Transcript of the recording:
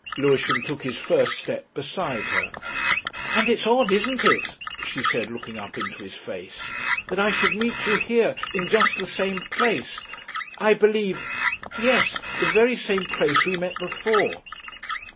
Lewisham took his first step beside her. "And it's odd, isn't it," she said, looking up into his face, "that I should meet you here in just the same place. I believe ... Yes. The very same place we met before."